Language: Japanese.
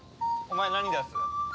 お前何出す？